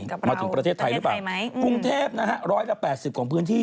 กับเราประเทศไทยหรือเปล่าคุณเทพนะฮะร้อยละ๘๐กว่าพื้นที่